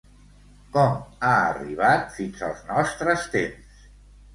Com ha arribat fins als nostres temps?